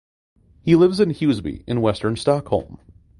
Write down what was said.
He lives in Husby in western Stockholm.